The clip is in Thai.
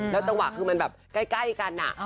แล้วจังหวะคือมันแบบใกล้กันอะ